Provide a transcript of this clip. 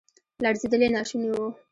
لړزیدل یې ناشوني وو.